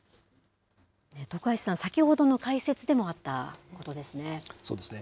徳橋さん、先ほどの解説でもあったことですね。